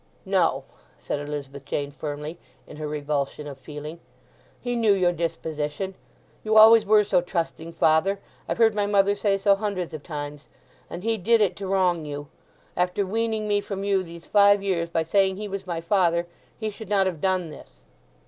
"No," said Elizabeth Jane firmly, in her revulsion of feeling. "He knew your disposition—you always were so trusting, father; I've heard my mother say so hundreds of times—and he did it to wrong you. After weaning me from you these five years by saying he was my father, he should not have done this."